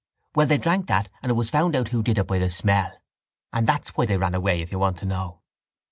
—Well, they drank that and it was found out who did it by the smell. And that's why they ran away, if you want to know.